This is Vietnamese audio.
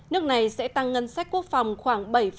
nước này sẽ tăng ngân sách quốc phòng khoảng bảy